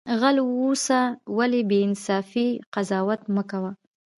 غل اوسه ولی بی انصافی قضاوت مکوه